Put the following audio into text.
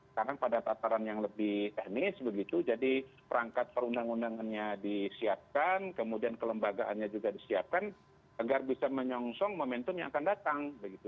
sekarang pada tataran yang lebih teknis begitu jadi perangkat perundang undangannya disiapkan kemudian kelembagaannya juga disiapkan agar bisa menyongsong momentum yang akan datang